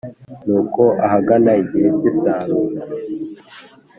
Nuko ahagana igihe cy’isarura,